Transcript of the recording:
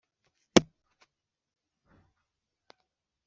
padiri mukuru wa paruwasi ya gatovu emmanuel